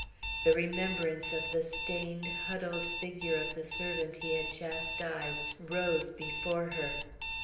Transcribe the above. The remembrance of the stained, huddled figure of the servant he had chastised rose before her.